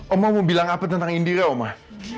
omah mau bilang apa tentang indirnya omah